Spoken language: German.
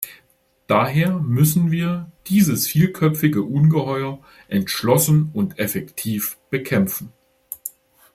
Daher müssen wir dieses vielköpfige Ungeheuer entschlossen und effektiv bekämpfen.